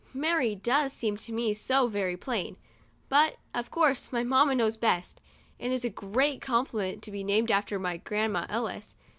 "Mary" does seem to me so very plain ; but, of course, my mamma knows best, and it's a great compliment to be named after Grandma Ellis.